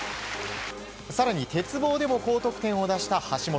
更に鉄棒でも高得点を出した橋本。